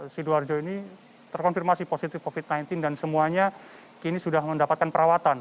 sidoarjo ini terkonfirmasi positif covid sembilan belas dan semuanya kini sudah mendapatkan perawatan